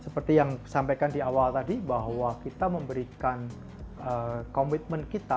seperti yang disampaikan di awal tadi bahwa kita memberikan komitmen kita